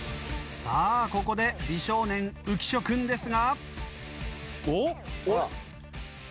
さあここで美少年浮所君ですがおお？